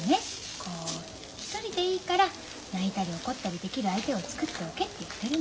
こう一人でいいから泣いたり怒ったりできる相手を作っておけって言ってるの。